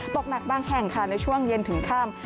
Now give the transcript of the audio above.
ตกหนักบางแห่งค่ะในช่วงเย็นถึงค่ำ